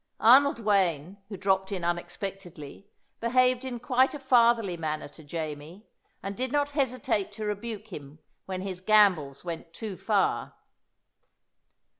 Arnold Wayne, who dropped in unexpectedly, behaved in quite a fatherly manner to Jamie, and did not hesitate to rebuke him when his gambols went too far.